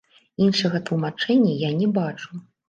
Іншага тлумачэння я не бачу.